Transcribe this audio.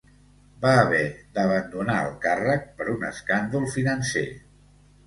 Va haver d'abandonar el càrrec per un escàndol financer.